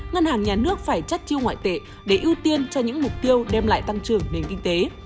ngân hàng nhà nước phải chất chiêu ngoại tệ để ưu tiên cho những mục tiêu đem lại tăng trưởng nền kinh tế